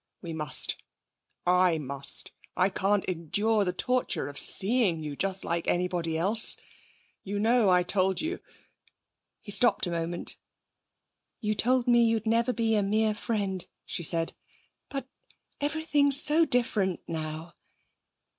'We must. I must. I can't endure the torture of seeing you just like anybody else. You know I told you ' He stopped a moment. 'You told me you'd never be a mere friend,' she said. 'But everything's so different now!'